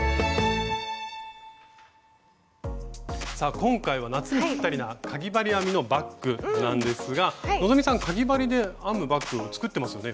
今回は夏にぴったりなかぎ針編みのバッグなんですが希さんかぎ針で編むバッグ作ってますよね。